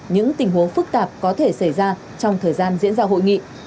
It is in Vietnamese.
những tình huống phức tạp có thể xảy ra trong thời gian diễn ra hội nghị